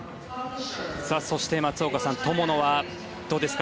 そして、松岡さん友野はどうですか？